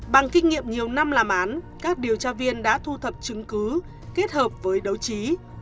bằng kinh nghiệm nhiều năm làm án các điều tra viên đã thu thập chứng cứ kết hợp với đấu trí